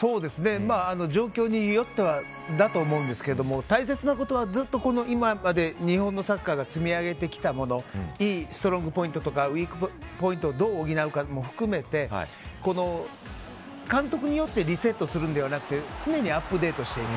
状況によってだと思うんでですけど大切なことはずっと今まで日本のサッカーが積み上げてきたものいいストロングポイントとかウィークポイントをどう補うかも含めて監督によってリセットするのではなくて常にアップデートしていく。